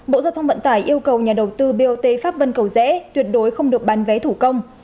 phải yêu cầu nhà đầu tư bot pháp vân cầu dễ tuyệt đối không được bán vé thủ công